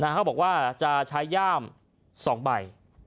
เขาบอกว่าจะใช้ย่าม๒ใบ